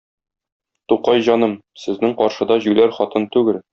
Тукай җаным, сезнең каршыда юләр хатын түгел.